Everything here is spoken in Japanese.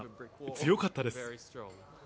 強かったです。